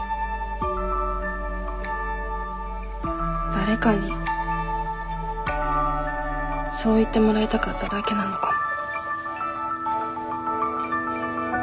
誰かにそう言ってもらいたかっただけなのかも。